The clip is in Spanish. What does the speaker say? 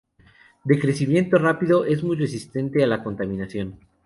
De crecimiento rápido, es muy resistente a la contaminación.